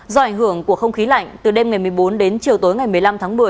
do ảnh hưởng của không khí lạnh từ đêm ngày một mươi bốn đến chiều tối ngày một mươi năm tháng một mươi